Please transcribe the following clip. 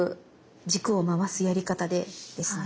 軸を回すやり方でですね。